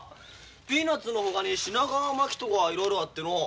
ピーナツのほかに品川巻とかいろいろあってのう。